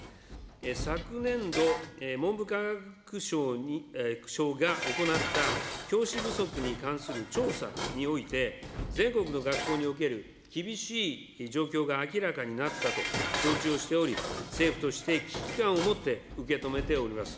昨年度、文部科学省が行った、教師不足に関する調査において、全国の学校における厳しい状況が明らかになったと承知をしており、政府として危機感を持って受け止めております。